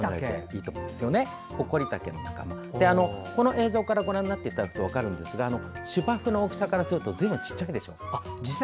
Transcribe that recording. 映像からご覧になっていただくと分かるんですが芝生の大きさからするとずいぶんちっちゃいでしょう。